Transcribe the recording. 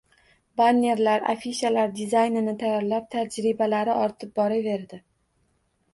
Bannerlar, afishalar dizaynini tayyorlab, tajribalari ortib boraverdi